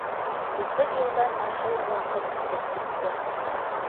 Утыҙ йылдан ашыу ваҡыт үтеп китте.